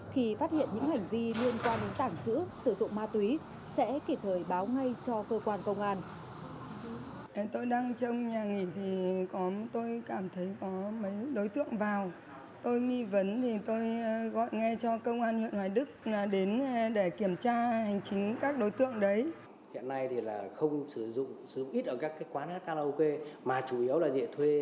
khi phát hiện những hành vi liên quan đến tảng chữ sử dụng ma túy sẽ kể thời báo ngay cho cơ quan công an